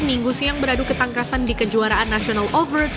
minggu siang beradu ketangkasan di kejuaraan national overt